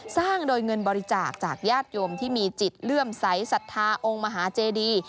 สร้างโดยเงินบริจาคจากญาติโยมที่มีจิตเลื่อมใสสัทธาองค์มหาเจดี